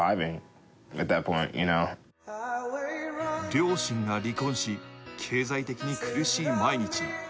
両親が離婚し、経済的に苦しい毎日。